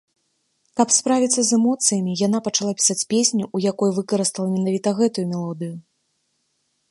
Каб справіцца з эмоцыямі, яна пачала пісаць песню, у якой выкарыстала менавіта гэтую мелодыю.